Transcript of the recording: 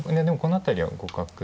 でもこの辺りは互角。